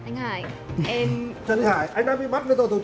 thần hải anh đã bị bắn cho tổ chức ngân bạc